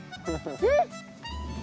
えっ。